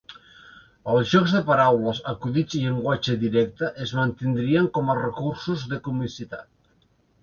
Els jocs de paraules, acudits i llenguatge directe es mantindrien com a recursos de comicitat.